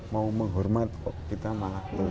mau menghormat oh kita malah lupa